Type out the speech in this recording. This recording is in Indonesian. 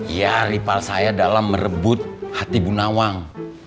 iya rival saya dalam merebut hati bu nawang